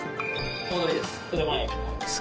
踊りです